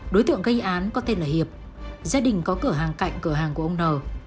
đối tượng gây án có tên là hiệp gia đình có cửa hàng cạnh cửa hàng của ông n